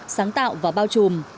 sáng tạo và bao trung